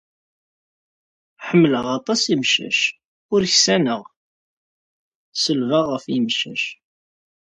Ḥemmleɣ aṭas imcac, ur ksaneɣ, selbeɣ ɣef yemcac.